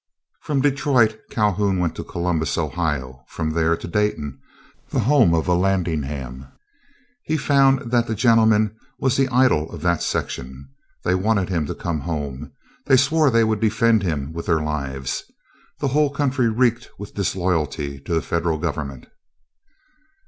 From Detroit Calhoun went to Columbus, Ohio, from there to Dayton, the home of Vallandigham. He found that that gentleman was the idol of that section. They wanted him to come home. They swore they would defend him with their lives. The whole country reeked with disloyalty to the Federal government.